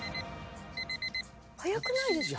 早くないですか？